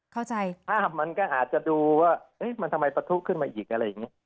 เข้าใจภาพมันก็อาจจะดูว่าเอ๊ะมันทำไมประทุกขึ้นมาอีกอะไรอย่างเงี้ย